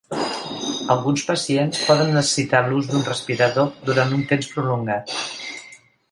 Alguns pacients poden necessitar l'ús d'un respirador durant un temps prolongat.